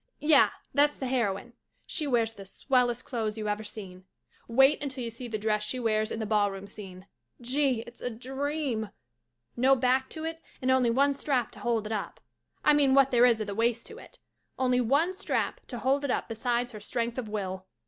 Yeh, that's the heroine. She wears the swellest clothes you ever seen. Wait until you see the dress she wears in the ballroom scene — gee, it's a dream — no back to it and only one strap to hold it up — I mean what there is of the waist to it — only one strap to hold it up besides her strength of will.